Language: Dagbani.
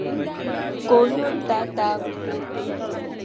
Ka o no n-taataagi o.